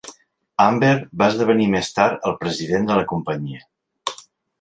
Hamber va esdevenir més tard el president de la companyia.